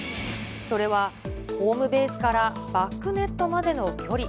それは、ホームベースからバックネットまでの距離。